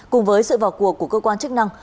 cùng với sự vào cuộc của cơ quan chức năng